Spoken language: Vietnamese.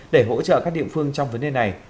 để hỗ trợ các địa phương trong vấn đề này